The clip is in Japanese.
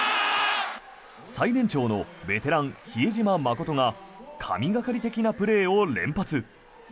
最年長のベテラン、比江島慎が神懸かり的なプレーを連発。